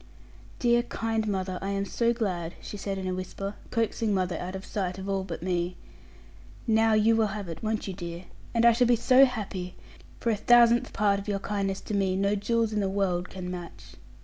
'Dear kind mother, I am so glad,' she said in a whisper, coaxing mother out of sight of all but me; 'now you will have it, won't you, dear? And I shall be so happy; for a thousandth part of your kindness to me no jewels in the world can match.'